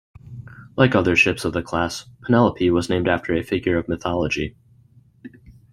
Like other ships of the class, "Penelope" was named after a figure of mythology.